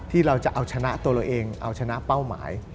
ที่เราจะเอาชนะตัวเราเองเอาชนะเป้าหมาย